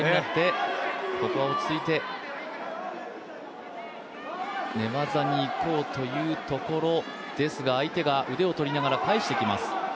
ここは落ち着いて寝技にいこうというところですが、相手が腕をとりながら返してきます。